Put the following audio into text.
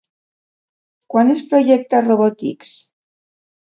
Quan es projecta Robotix?